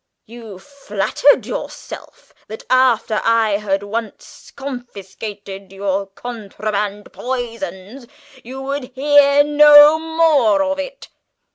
You flattered yourself that after I had once confiscated your contraband poisons, you would hear no more of it!